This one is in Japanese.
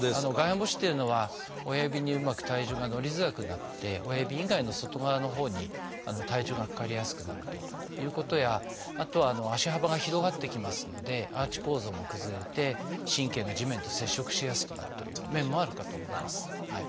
外反母趾っていうのは親指にうまく体重がのりづらくなって親指以外の外側のほうに体重がかかりやすくなるということやあとは足幅が広がってきますのでアーチ構造が崩れて神経が地面と接触しやすくなるという面もあるかと思います。